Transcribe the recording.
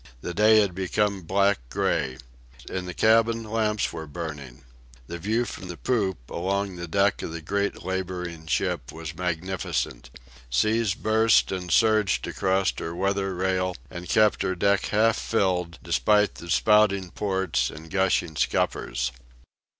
The day had become black gray. In the cabin lamps were burning. The view from the poop, along the length of the great labouring ship, was magnificent. Seas burst and surged across her weather rail and kept her deck half filled, despite the spouting ports and gushing scuppers.